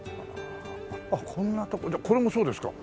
あっこんなとこじゃあこれもそうですか？